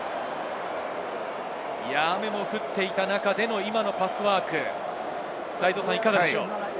雨も降っていた中での今のパスワークいかがでしょう？